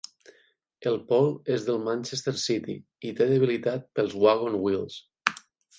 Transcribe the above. El Paul és del Manchester City i té debilitat pels Wagon Wheels.